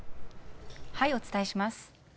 お伝えします。